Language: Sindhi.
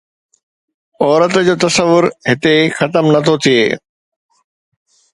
عورت جو تصور هتي ختم نٿو ٿئي.